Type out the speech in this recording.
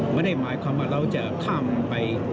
ไม่ได้หมายความว่าเราจะข้ามไป